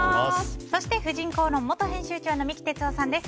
そして「婦人公論」元編集長の三木哲男さんです。